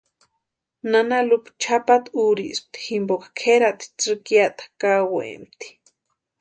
Nana Lupa chʼapata úrispti jimposï kʼerati tsïkiata kaawempti.